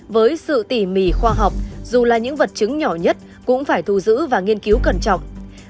với sự tỉ mỉ khoa học dù là những vật chứng nhỏ nhất cũng phải thu giữ và nghiên cứu cẩn trọng